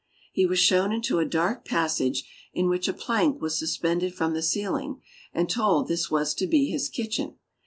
He was shown into a dark passage in which a plank was suspended from the ceiling, and told this was to be his kitchen.